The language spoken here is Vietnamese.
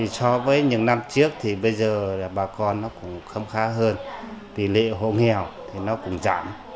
so với những năm trước bà con cũng không khá hơn tỷ lệ hỗ nghèo cũng giảm